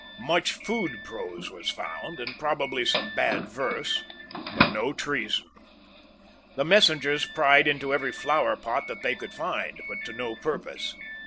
Much food prose was found, and probably some bad verse, but no treason. The messengers pried into every flowerpot that they could find, but to no purpose.